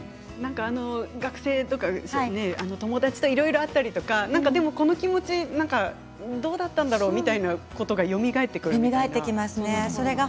学生とか友達とかいろいろあったり、でもこの気持ちどうだったんだろうっていうことがよみがえってくるみたいな。